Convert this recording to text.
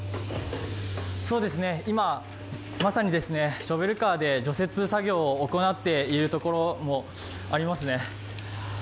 そうですね、今まさにショベルカーで除雪作業を行っているところもありますね。